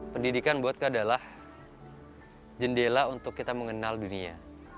pendidikan buatku adalah jendela untuk kita mengenal dunia